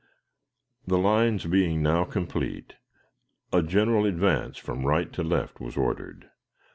The lines being now complete, a general advance from right to left was ordered.